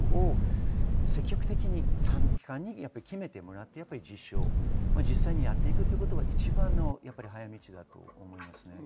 積極的に短期間に決めてもらって、実際にやっていくことが一番の早道だと思います。